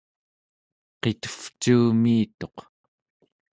qitevcuumiituq